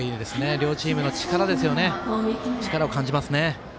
両チームの力を感じますね。